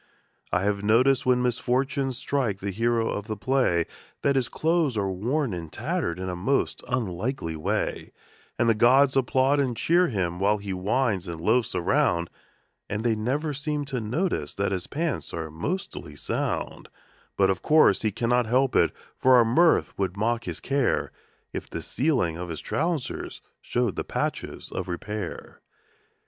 I have noticed when misfortune strikes the hero of the play That his clothes are worn and tattered in a most unlikely way ; And the gods applaud and cheer him while he whines and loafs around, But they never seem to notice that his pants are mostly sound ; Yet, of course, he cannot help it, for our mirth would mock his care If the ceiling of his trousers showed the patches of repair.